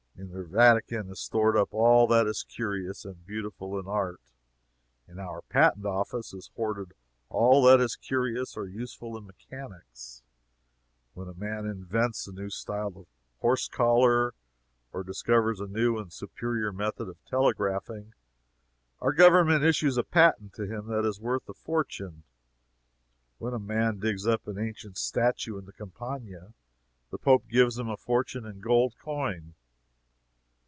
In their Vatican is stored up all that is curious and beautiful in art; in our Patent Office is hoarded all that is curious or useful in mechanics. When a man invents a new style of horse collar or discovers a new and superior method of telegraphing, our government issues a patent to him that is worth a fortune; when a man digs up an ancient statue in the Campagna, the Pope gives him a fortune in gold coin.